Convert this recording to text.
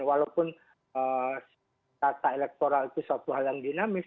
walaupun kata elektoral itu suatu hal yang dinamis